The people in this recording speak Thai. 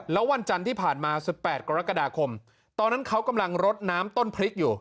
แล้ววันจันทร์ที่ผ่านมา๑๘กรกฎาคมตอนนั้นเขากำลังรดน้ำต้นพริกอยู่